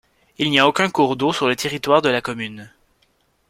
Il n'y a aucun cours d'eau sur le territoire de la commune.